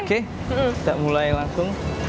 kita mulai langsung